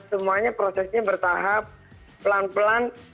semuanya prosesnya bertahap pelan pelan